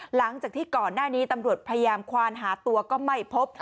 หลังจากที่ก่อนหน้านี้ตำรวจพยายามควานหาตัวก็ไม่พบ